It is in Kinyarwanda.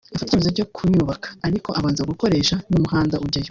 afata icyemezo cyo kuyubaka ariko abanza gukoresha n’umuhanda ujyayo